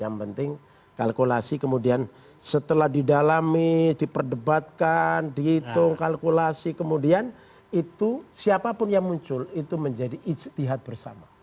yang penting kalkulasi kemudian setelah didalami diperdebatkan dihitung kalkulasi kemudian itu siapapun yang muncul itu menjadi ijtihad bersama